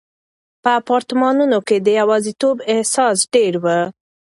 په اپارتمانونو کې د یوازیتوب احساس ډېر و.